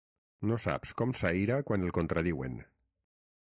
No saps com s'aïra quan el contradiuen.